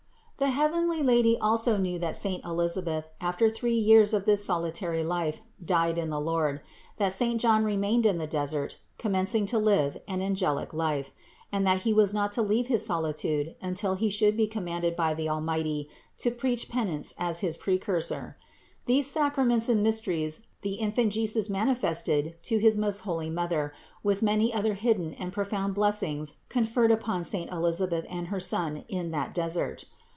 676. The heavenly Lady also knew that saint Elisa beth, after three years of this solitary life, died in the Lord ; that saint John remained in the desert, commencing to live an angelic life, and that he was not to leave his solitude until he should be commanded by the Almighty to preach penance as his Precursor. These sacraments and mysteries the Infant Jesus manifested to his most holy Mother with many other hidden and profound blessings conferred upon saint Elisabeth and her son in that desert.